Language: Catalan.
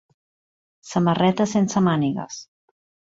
Samarreta sense mànigues.